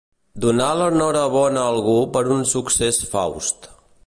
Donar l'enhorabona a algú per un succés faust.